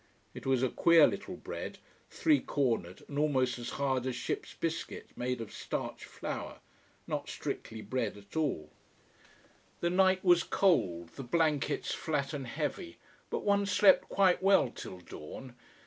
It was a queer little bread three cornered, and almost as hard as ships biscuit, made of starch flour. Not strictly bread at all. The night was cold, the blankets flat and heavy, but one slept quite well till dawn.